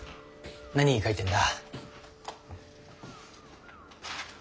何書いてんだ？